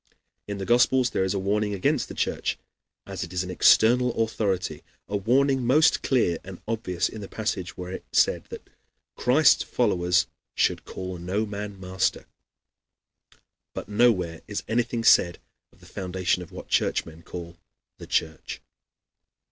In the Gospels there is a warning against the Church, as it is an external authority, a warning most clear and obvious in the passage where it is said that Christ's followers should "call no man master." But nowhere is anything said of the foundation of what Churchmen call the Church.